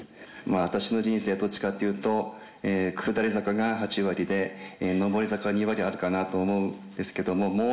私の人生どっちかっていうと下り坂が８割で上り坂が２割あるかなと思うんですけどももう